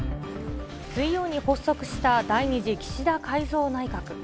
水曜に発足した第２次岸田改造内閣。